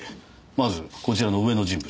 まずこちらの上の人物。